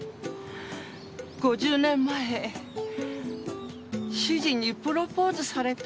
５０年前主人にプロポーズされた日なの。